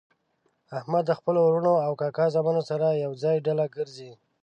احمد د خپلو ورڼو او کاکا زامنو سره ېوځای ډله ګرځي.